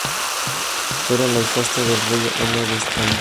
Era la hijastra del rey Anna de Estanglia.